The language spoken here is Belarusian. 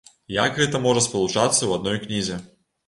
Як гэта можа спалучацца ў адной кнізе?